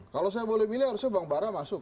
kalau saya boleh pilih harusnya bang bara masuk